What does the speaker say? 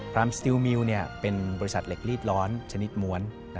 พราหมณ์สติลมีนเป็นบริษัทเหล็กรีดร้อนชนิดมวล